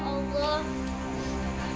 bagus ya allah